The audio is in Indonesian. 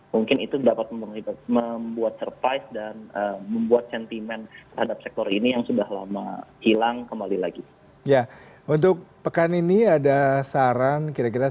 mungkin itu dapat membuat surprise dan membuat sentimen terhadap sektor ini yang sudah lama hilang kembali lagi